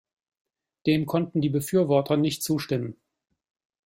Dem konnten die Befürworter nicht zustimmen.